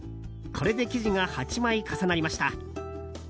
これで生地が８枚重なりました。